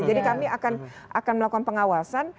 kami akan melakukan pengawasan